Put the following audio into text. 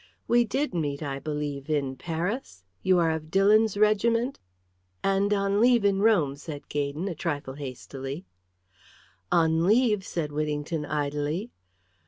We did meet, I believe, in Paris? You are of Dillon's regiment?" "And on leave in Rome," said Gaydon, a trifle hastily. "On leave?" said Whittington, idly.